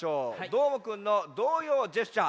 どーもくんの童謡ジェスチャー